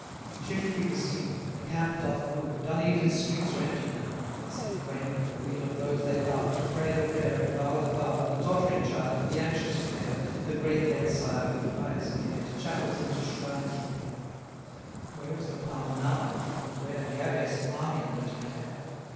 Shift we the scene. The camp doth move, 780 Dun Edin's streets are empty now, Save when, for weal of those they love, To pray the prayer, and vow the vow, The tottering child, the anxious fair, The grey hair'd sire, with pious care, 785 To chapels and to shrines repair Where is the Palmer now? and where The Abbess, Marmion, and Clare?